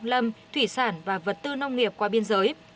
lâm thủy sản và vật tư nông nghiệp qua biên giới